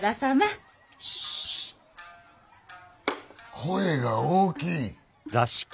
声が大きい。